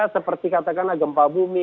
seperti katakanlah gempa bumi